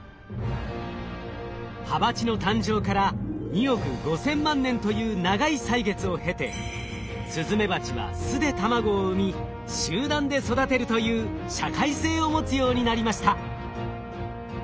ハバチの誕生から２億５，０００万年という長い歳月を経てスズメバチは巣で卵を産み集団で育てるという社会性を持つようになりました。